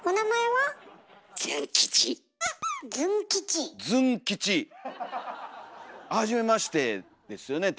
はじめましてですよね